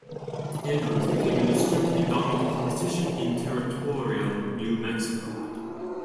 Andrews became an astute and dominant politician in territorial New Mexico.